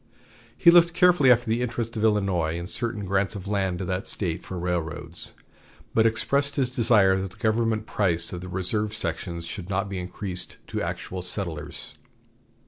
He looked carefully after the interests of Illinois in certain grants of land to that State for railroads, but expressed his desire that the government price of the reserved sections should not be increased to actual settlers.